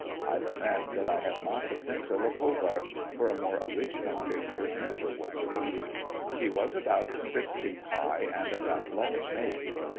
I lament that I have not the pencil of Hogarth, for a more original figure never was seen. He was about six feet high, and of athletic make.